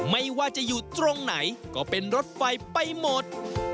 ไม่ว่าจะอยู่ตรงไหนก็เป็นรถไฟไปหมด